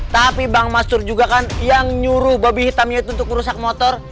tapi bang mascur juga kan yang nyuruh babi hitamnya itu untuk merusak motor